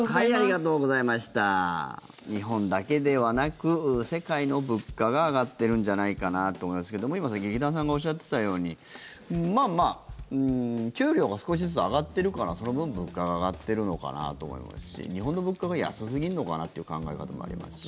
日本だけではなく世界の物価が上がってるんじゃないかなと思いますけど今さっき劇団さんがおっしゃっていたようにまあまあ給料が少しずつ上がってるからその分、物価が上がってるのかなと思いますし日本の物価が安すぎるのかなという考え方もありますし。